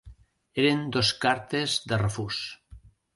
Eren dos cartes de refús.